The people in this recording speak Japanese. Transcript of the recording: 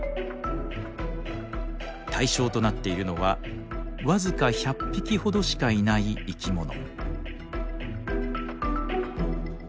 対象となっているのは僅か１００匹ほどしかいない生きもの。